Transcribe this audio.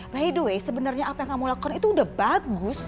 by the way sebenarnya apa yang kamu lakukan itu udah bagus